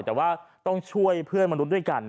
แต่ว่าต้องช่วยเพื่อนมนุษย์ด้วยกัน